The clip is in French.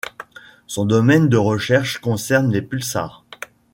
Son domaine de recherche concerne les pulsars.